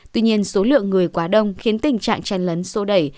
tuy nhiên số lượng người quá đông khiến tình trạng chen lấn sô đẩy